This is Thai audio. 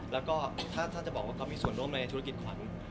แล้วก็ถ้าจะบอกว่าเขามีส่วนร่วมในธุรกิจขวัญ